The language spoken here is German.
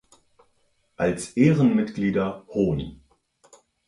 Als Ehrenmitglieder "Hon.